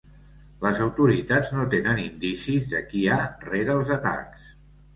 Les autoritats no tenen indicis de qui hi ha rere els atacs.